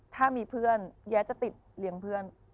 ถ้ามีเพื่อนแย้จะติดเลี้ยงเพื่อน